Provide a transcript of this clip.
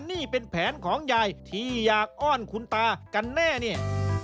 นี่เป็นแผนของยายที่อยากอ้อนคุณตากันแน่เนี่ย